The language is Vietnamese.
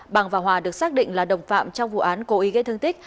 bằng và hòa được xác định là đồng phạm trong vụ án cố ý gây thương tích